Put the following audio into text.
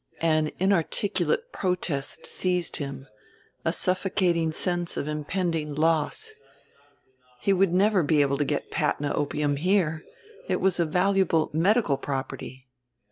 An inarticulate protest seized him, a suffocating sense of impending loss. He would never be able to get Patna opium here; it was a valuable medical property.